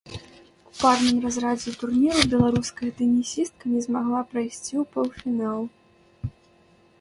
У парным разрадзе турніру беларуская тэнісістка не змагла прайсці ў паўфінал.